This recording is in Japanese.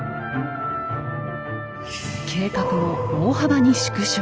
計画も大幅に縮小。